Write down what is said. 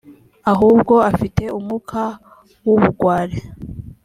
ahubwo afite umwuka w’ubugwari